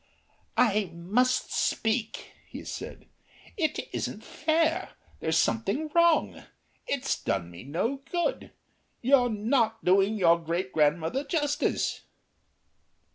"I must speak," he said. "It isn't fair. There's something wrong. It's done me no good. You're not doing your great grandmother justice."